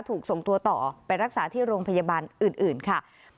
ถูกส่งตัวต่อไปรักษาที่โรงพยาบาลอื่นค่ะ